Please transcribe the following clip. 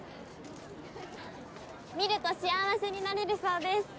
見ると幸せになれるそうです